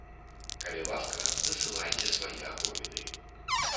Калі ласка, дасылайце свае аповеды.